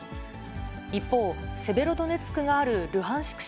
一方、セベロドネツクがあるルハンシク